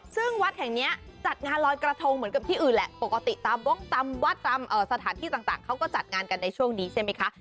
ซึ่งวัดแห่งนี้จัดงานลอยกระทงเหมือนกับที่อื่นแหละปกติตามวงตามวัดตามสถานที่ต่างเขาก็จัดงานกันในช่วงนี้ใช่ไหมคะ